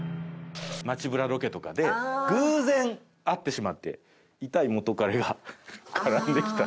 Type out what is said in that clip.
街ブラロケとかで偶然会ってしまってイタい元彼が絡んできたら。